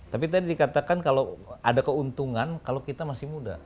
tapi tadi dikatakan kalau ada keuntungan kalau kita masih muda